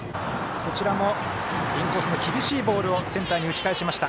こちらも、インコースの厳しいボールをセンターに打ち返しました。